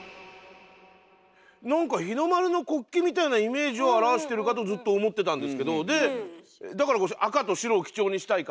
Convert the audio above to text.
なんか日の丸の国旗みたいなイメージを表してるかとずっと思ってたんですけどだから赤と白を基調にしたいから。